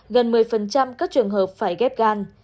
gần một mươi các trường hợp phải ghép gan